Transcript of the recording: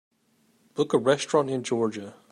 book a restaurant in Georgia